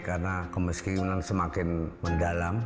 karena kemiskinan semakin mendalam